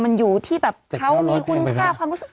มันอยู่ที่แบบเขามีคุณค่าความรู้สึก